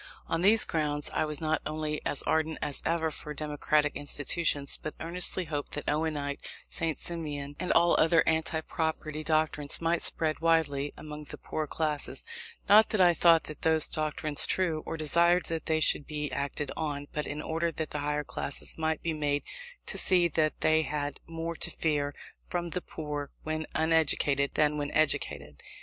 On these grounds I was not only as ardent as ever for democratic institutions, but earnestly hoped that Owenite, St. Simonian, and all other anti property doctrines might spread widely among the poorer classes; not that I thought those doctrines true, or desired that they should be acted on, but in order that the higher classes might be made to see that they had more to fear from the poor when uneducated than when educated.